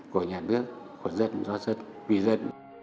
của nhà nước của dân do dân vì dân